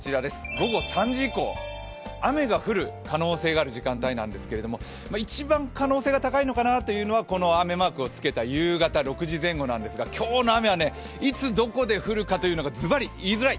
午後３時以降雨が降る可能性がある時間帯なんですけれども、一番可能性が高いのかなというのは、この雨マークをつけた夕方６時前後なんですが、今日の雨はいつどこで降るかというのがズバリ言いにくい。